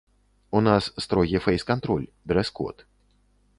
У нас строгі фэйс-кантроль, дрэс-код.